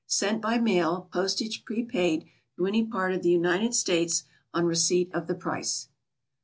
_Sent by mail, postage prepaid, to any part of the United States, on receipt of the price.